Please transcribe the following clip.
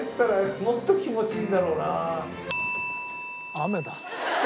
雨だ。